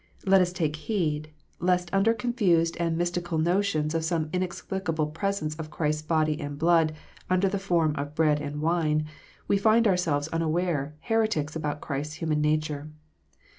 Let us take heed, lest under confused and mystical notions of some inexplicable presence of Christ s body and blood under the form of bread and wine, we find ourselves unawares heretics about Christ s human nature.